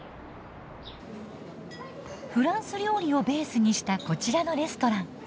フランス料理をベースにしたこちらのレストラン。